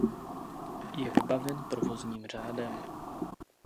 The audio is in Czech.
Je vybaven provozním řádem.